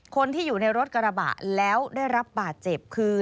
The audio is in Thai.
คนที่อยู่ในรถกระบะแล้วได้รับบาดเจ็บคือ